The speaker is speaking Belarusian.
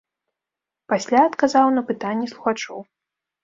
Пасля адказаў на пытанні слухачоў.